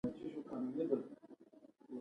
یو زده کوونکی دې لاندې پوښتنې پر تخته ولیکي.